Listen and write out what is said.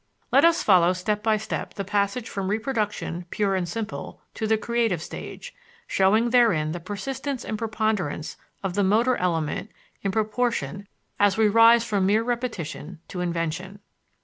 Let us follow step by step the passage from reproduction pure and simple to the creative stage, showing therein the persistence and preponderance of the motor element in proportion as we rise from mere repetition to invention.